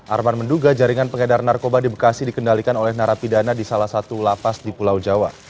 arman menduga jaringan pengedar narkoba di bekasi dikendalikan oleh narapidana di salah satu lapas di pulau jawa